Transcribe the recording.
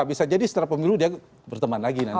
bisa jadi setelah pemilu dia berteman lagi nanti